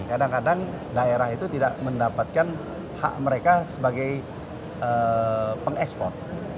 kadang kadang daerah itu tidak mendapatkan hak mereka sebagai pengekspor